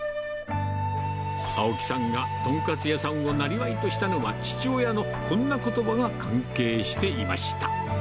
青木さんが豚カツ屋さんをなりわいとしたのは、父親のこんなことばが関係していました。